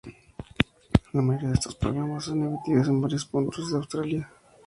La mayoría de estos programas son emitidos en varios puntos de Australia.